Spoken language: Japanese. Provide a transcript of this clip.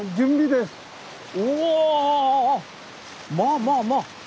おおまあまあまあ。